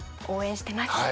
応援してます。